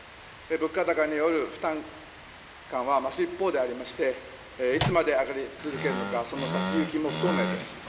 物価高による負担感は増す一方でありまして、いつまで上がり続けるのか、その先行きも不透明です。